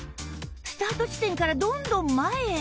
スタート地点からどんどん前へ